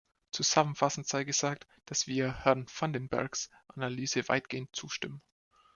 Zusammenfassend sei gesagt, dass wir Herrn van den Bergs Analyse weitgehend zustimmen.